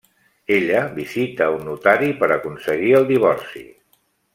Ella visita a un notari per aconseguir el divorci.